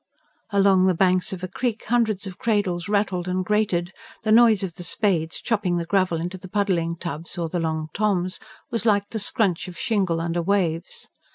Along the banks of a creek, hundreds of cradles rattled and grated; the noise of the spades, chopping the gravel into the puddling tubs or the Long Toms, was like the scrunch of shingle under waves.